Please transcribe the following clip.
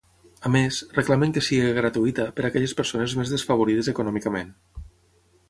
A més, reclamen que sigui gratuïta per aquelles persones més desfavorides econòmicament.